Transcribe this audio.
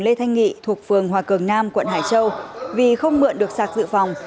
lê thanh nghị thuộc phường hòa cường nam quận hải châu vì không mượn được sạc dự phòng